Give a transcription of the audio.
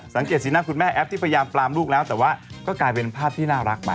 สังเกตสีหน้าคุณแม่แอปที่พยายามปลามลูกแล้วแต่ว่าก็กลายเป็นภาพที่น่ารักไป